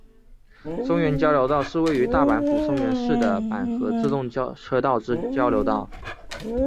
松原交流道是位于大阪府松原市的阪和自动车道之交流道。